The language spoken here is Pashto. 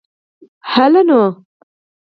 هلئ نو.